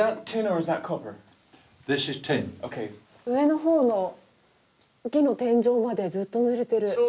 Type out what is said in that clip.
上の方の木の天井までずっとぬれてる。